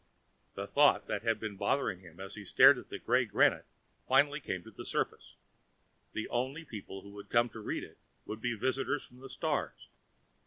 The thought that had been bothering him as he stared at the gray granite finally came to the surface. The only people who would come to read it would be visitors from the stars.